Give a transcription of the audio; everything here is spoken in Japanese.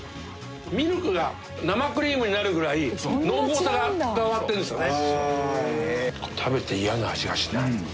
ミルクが生クリームになるぐらい濃厚さが伝わってるんですよね